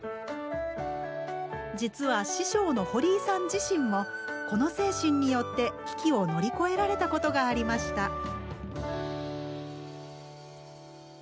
実は師匠の堀井さん自身もこの精神によって危機を乗り越えられたことがありました。